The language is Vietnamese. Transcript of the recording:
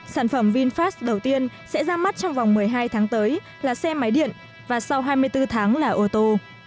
sản phẩm vinfast đầu tiên sẽ ra mắt trong vòng một mươi hai tháng tới là xe máy điện và sau hai mươi bốn tháng là ô tô